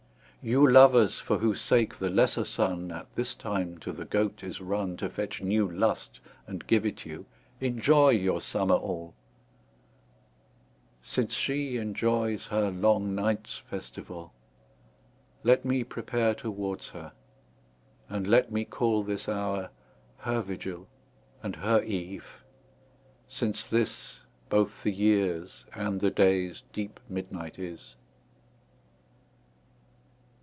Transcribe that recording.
You lovers, for whose sake, the lesser Sunne At this time to the Goat is runne To fetch new lust, and give it you, Enjoy your summer all; Since shee enjoyes her long nights festivall, Let mee prepare towards her, and let mee call This houre her Vigill, and her Eve, since this Bothe the yeares, and the dayes deep midnight is.